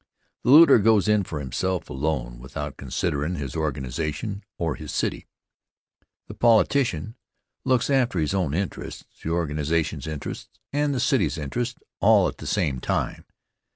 The looter goes in for himself alone without considerin' his organization or his city. The politician looks after his own interests, the organization's interests, and the city's interests all at the same time.